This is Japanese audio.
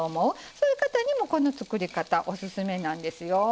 そういう方にもこの作り方オススメなんですよ。